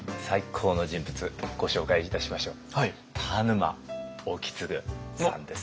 最高の人物ご紹介いたしましょう。